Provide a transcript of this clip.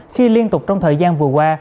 khi liên tục trong thời gian vừa qua